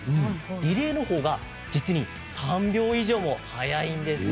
リレーのほうが実に３秒以上も速いんですね。